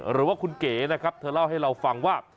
หรือว่าคุณเก๋นะครับเธอเล่าให้เราฟังว่า